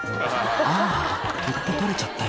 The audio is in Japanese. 「ああ取っ手取れちゃったよ」